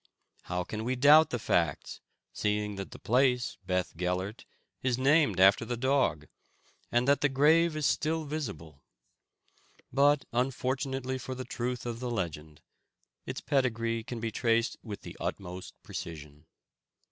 How can we doubt the facts, seeing that the place, Beth Gellert, is named after the dog, and that the grave is still visible? But unfortunately for the truth of the legend, its pedigree can be traced with the utmost precision.